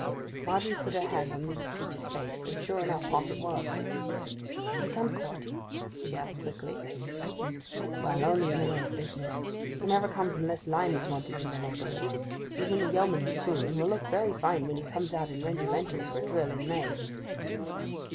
Margery put her hand on Mrs. Peach's face, and, sure enough, hot it was. 'Does he come courting?' she asked quickly. 'Well only in the way of business. He never comes unless lime is wanted in the neighbourhood. He's in the Yeomanry, too, and will look very fine when he comes out in regimentals for drill in May.